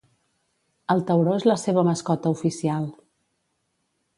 El tauró és la seva mascota oficial.